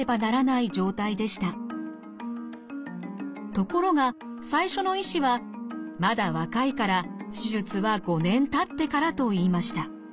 ところが最初の医師は「まだ若いから手術は５年たってから」と言いました。